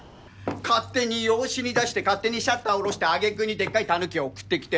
勝手に養子に出して勝手にシャッター下ろして揚げ句にでっかいタヌキ送ってきて。